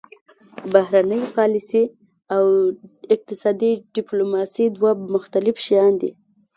بهرنۍ پالیسي او اقتصادي ډیپلوماسي دوه مختلف شیان دي